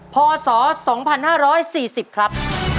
พศ๒๕๔๐ครับ